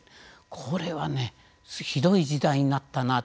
これは、ひどい時代になったなと。